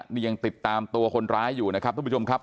นี่ยังติดตามตัวคนร้ายอยู่นะครับทุกผู้ชมครับ